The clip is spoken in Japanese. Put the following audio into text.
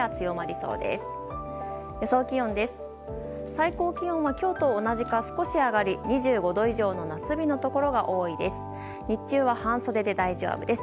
最高気温は今日と同じか少し上がり２５度以上の夏日のところが多いです。